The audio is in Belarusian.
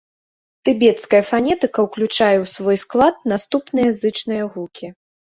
Тыбецкая фанетыка ўключае ў свой склад наступныя зычныя гукі.